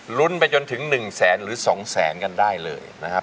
ลุ้นไปจนถึง๑แสนหรือ๒แสนกันได้เลยนะครับ